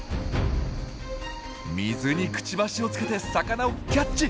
水にクチバシをつけて魚をキャッチ！